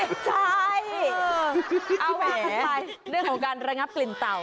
ใช่เอาแห่กันไปเรื่องของการระงับกลิ่นเต่า